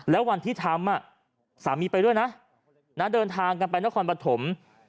แล้ววันที่ทำสามีไปด้วยนะเดินทางกันไปนครปฐม